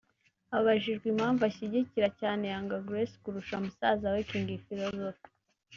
Abajijwe impamvu ashyigikira cyane Young Grace kurusha musaza we King Philosophe